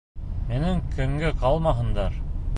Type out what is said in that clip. Минең көнгә ҡалмаһындар...